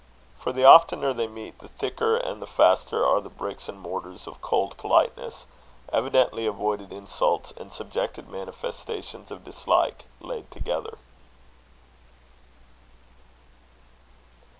For the oftener they meet, the thicker and the faster are the bricks and mortar of cold politeness, evidently avoided insults, and subjected manifestations of dislike, laid together.